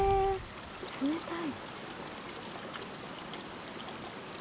冷たい。